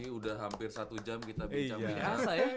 sudah hampir satu jam kita bincang